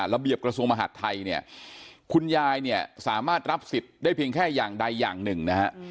กระทรวงมหาดไทยเนี่ยคุณยายเนี่ยสามารถรับสิทธิ์ได้เพียงแค่อย่างใดอย่างหนึ่งนะฮะ